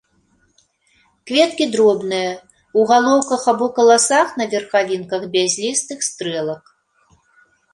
Кветкі дробныя, у галоўках або каласах на верхавінках бязлістых стрэлак.